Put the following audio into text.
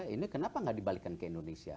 ini kenapa nggak dibalikan ke indonesia